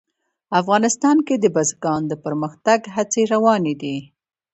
افغانستان کې د بزګان د پرمختګ هڅې روانې دي.